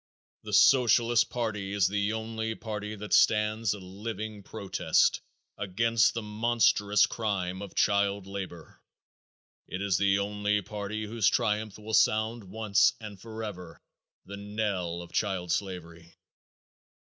The Socialist party is the only party that stands a living protest against the monstrous crime of child labor. It is the only party whose triumph will sound once and forever the knell of child slavery.